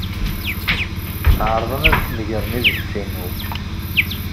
Ɛerḍen ad snegren idles-inu.